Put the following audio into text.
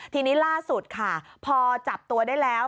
ทีนี้ล่าสุดค่ะพอจับตัวได้แล้ว